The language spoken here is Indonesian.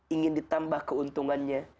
ingin ditambah keuntungannya